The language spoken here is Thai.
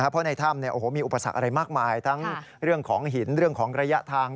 เพราะในถ้ำมีอุปสรรคอะไรมากมายทั้งเรื่องของหินเรื่องของระยะทาง